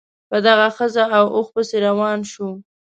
په دغه ښځه او اوښ پسې روان شو.